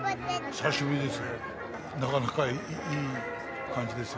久しぶりです。